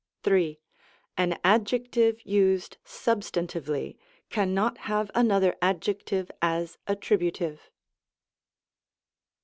3. An adjective used substantively, cannot have another adjective as attributive.